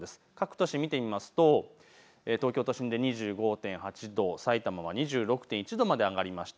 各都市、見てみますと東京都心で２５．８度、さいたまは２６．１度まで上がりました。